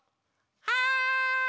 はい！